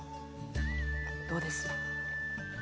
どうです？